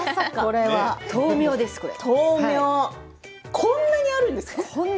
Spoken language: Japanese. こんなにあるんですか。